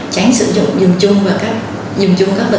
tránh sử dụng dùng chung các vật dụng vệ sinh cá nhân